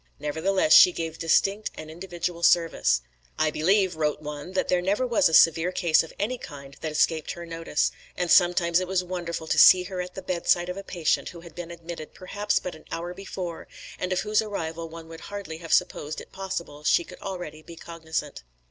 Nevertheless she gave distinct and individual service. "I believe," wrote one, "that there never was a severe case of any kind that escaped her notice; and sometimes it was wonderful to see her at the bedside of a patient who had been admitted perhaps but an hour before, and of whose arrival one would hardly have supposed it possible she could already be cognisant."